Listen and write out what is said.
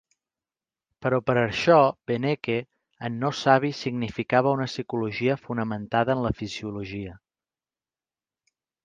Però per això Beneke en no savi significava una psicologia fonamentada en la fisiologia.